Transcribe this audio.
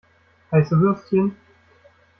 Heiße Würstchen!